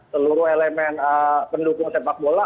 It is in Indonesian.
seluruh elemen pendukung sepak bola